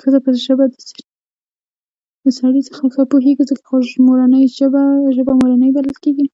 ښځه په ژبه د سړي څخه ښه پوهېږي څکه خو ژبه مورنۍ بلل کېږي